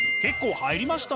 入りました？